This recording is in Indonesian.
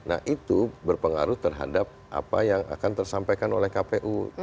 nah itu berpengaruh terhadap apa yang akan tersampaikan oleh kpu